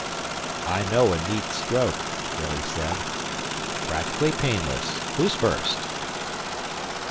"I know a neat stroke," Illy said. "Practically painless. Who's first?"